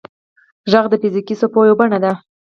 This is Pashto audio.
• ږغ د فزیکي څپو یوه بڼه ده.